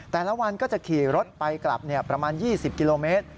แต่ละวันก็จะขี่รถไปกลับประมาณ๒๐กิโลเมตร